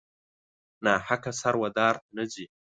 ناحقه سر و دار ته نه ځي.